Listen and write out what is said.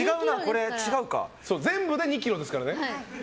全部で２ｋｇですからね。